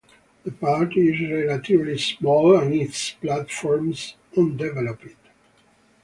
The party is relatively small and its platforms undeveloped.